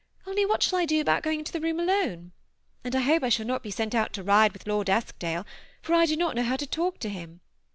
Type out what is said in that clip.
only what shall I do about going into the room alone ? and I hope I shall not be sent out to ride with Lord Eskdale, for I do not know how to talk to him.